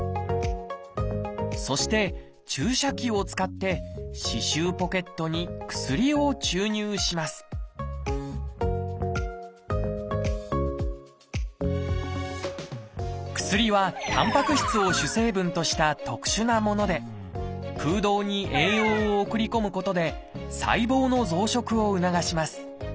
そして注射器を使って歯周ポケットに薬を注入します薬はタンパク質を主成分とした特殊なもので空洞に栄養を送り込むことで細胞の増殖を促します。